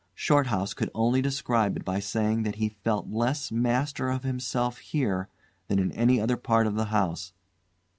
Shorthouse could only describe it by saying that he felt less master of himself here than in any other part of the house.